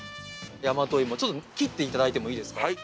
大和いも、ちょっと切っていただいてもいいですか。